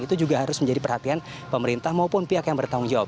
itu juga harus menjadi perhatian pemerintah maupun pihak yang bertanggung jawab